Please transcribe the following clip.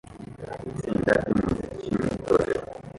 Itsinda ry'umuziki mu itorero